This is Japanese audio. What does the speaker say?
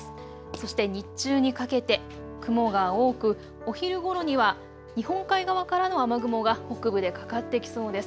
そして日中にかけて雲が多くお昼ごろには日本海側からの雨雲が北部でかかってきそうです。